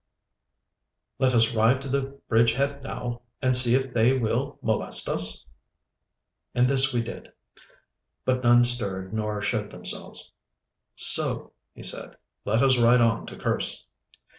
'Let us ride to the bridge head now, and see if they will molest us?' And this we did, but none stirred nor showed themselves. 'So,' he said, 'let us ride on to Kerse.